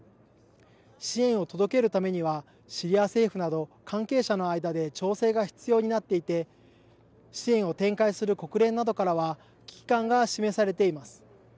支援を届けるためにはシリア政府など関係者の間で調整が必要になっていて支援を展開する国連などからは危機感が示されています。